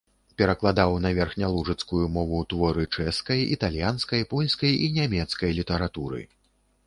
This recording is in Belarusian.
Перакладаў на верхнялужыцкую мову творы чэшскай, італьянскай, польскай і нямецкай літаратуры.